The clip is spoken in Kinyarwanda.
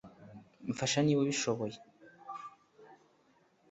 mfasha niba ubishoboye